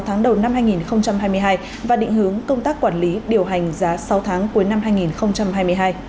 sáu tháng đầu năm hai nghìn hai mươi hai và định hướng công tác quản lý điều hành giá sáu tháng cuối năm hai nghìn hai mươi hai